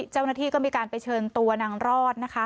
เจ้าหน้าที่ก็มีการไปเชิญตัวนางรอดนะคะ